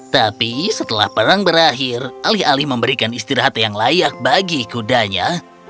tapi setelah perang berakhir alih alih memberikan istirahat yang layak bagi kudanya